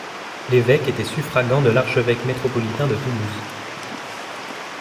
L'évêque était suffragant de l'archevêque métropolitain de Toulouse.